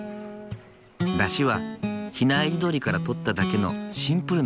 ダシは比内地鶏からとっただけのシンプルなもの。